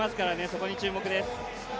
そこに注目です。